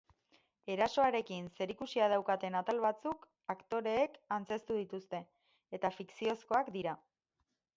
Erasoarekin zerikusia daukaten atal batzuk aktoreek antzeztu dituzte eta fikziozkoak dira.